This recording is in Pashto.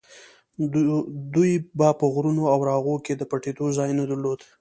دوی به په غرونو او راغو کې د پټېدو ځای نه درلود.